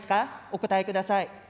お答えください。